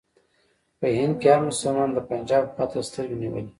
په هند کې هر مسلمان د پنجاب خواته سترګې نیولې.